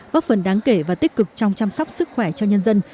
góp phần đáng kể và tích cực trong chăm sóc sức khỏe cho nhân dân